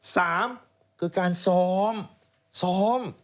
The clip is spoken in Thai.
สามก็การซ้อม